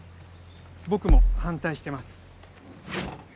僕も反対してます。